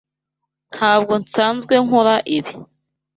Ntabwo nsanzwe nkora ibi.